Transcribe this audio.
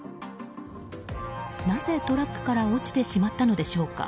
なぜ、トラックから落ちてしまったのでしょうか。